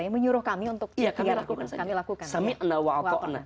menyuruh kami untuk ikhtiar